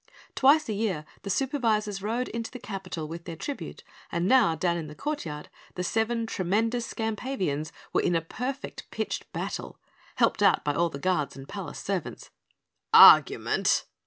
Twice a year the Supervisors rode into the capital with their tribute, and now, down in the courtyard, the seven tremendous Skampavians were in a perfect pitched battle, helped out by all the guards and palace servants. "Argument!"